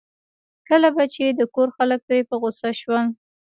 کله به چې د کور خلک پرې په غوسه شول.